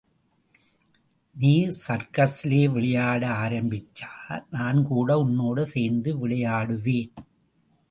நீ சர்க்கஸிலே விளையாட ஆரம்பிச்சா நான்கூட உன்னோட சேர்ந்து விளையாடுவேன்.